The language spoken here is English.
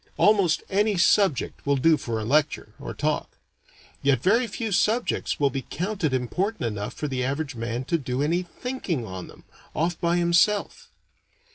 Almost any subject will do for a lecture, or talk; yet very few subjects will be counted important enough for the average man to do any thinking on them, off by himself.